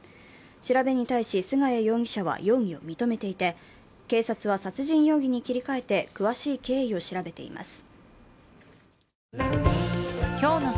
調べに対し菅谷容疑者は容疑を認めていて、警察は殺人容疑に切り替えて詳しい経緯を調べています。